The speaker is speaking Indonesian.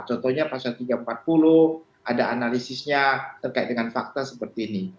contohnya pasal tiga ratus empat puluh ada analisisnya terkait dengan fakta seperti ini